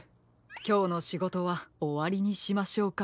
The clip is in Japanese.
きょうのしごとはおわりにしましょうか。